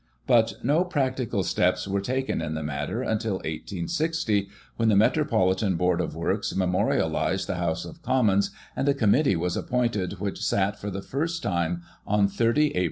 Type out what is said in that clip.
But no practical steps were taken in the matter until i860, when the Metropolitan Board of Works memorialised the House of Commons, and a Committee was appointed which sat for the first time on 30 Ap.